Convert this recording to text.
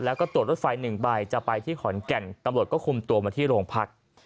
แล้วก็ตรวจรถไฟ๑ใบจะไปที่ขอนแก่นตำรวจก็คุมตัวมาที่โรงพัก